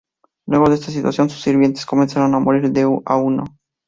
Luego de esta situación, sus sirvientes comenzaron a morir de a uno.